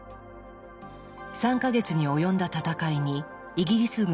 ３か月に及んだ戦いにイギリス軍が勝利。